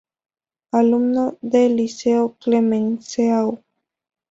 Alumno del Liceo Clemenceau.